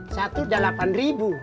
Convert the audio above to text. satu rp delapan